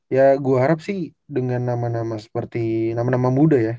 ya gue harap sih dengan nama nama seperti nama nama muda ya